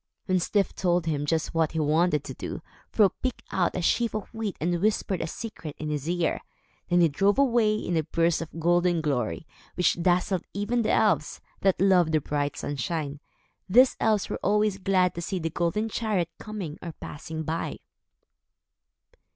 When Styf told him just what he wanted to do, Fro picked out a sheaf of wheat and whispered a secret in his ear. Then he drove away, in a burst of golden glory, which dazzled even the elves, that loved the bright sunshine. These elves were always glad to see the golden chariot coming or passing by.